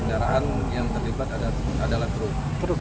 kendaraan yang terlibat adalah truk truk